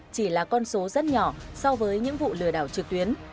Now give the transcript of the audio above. chỉ là con số rất nhỏ so với những vụ lừa đảo trực tuyến